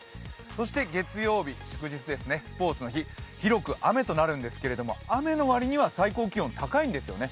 そして月曜日、祝日ですね、スポーツの日、広く雨となるんですけども、雨の割には最高気温、高いんですよね。